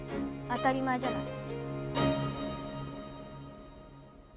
当たり前じゃない。